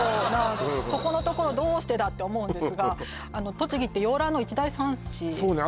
そこのところどうしてだ？って思うんですが栃木って洋蘭の一大産地そうね